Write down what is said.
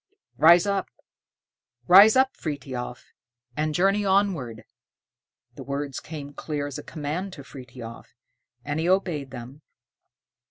"Rise up, rise up, Frithiof, and journey onward." The words came clear as a command to Frithiof, and he obeyed them.